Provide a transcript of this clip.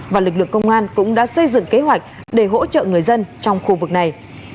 và lực lượng công an cũng đã xây dựng kế hoạch để hỗ trợ người dân trong khu vực này